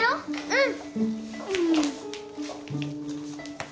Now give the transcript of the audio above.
うん！